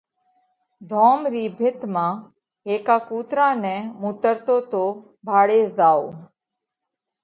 ڌوم رِي ڀِت مانه هيڪا ڪُوترا نئہ مُوترتو تو ڀاۯي زائوه